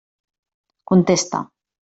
Contesta!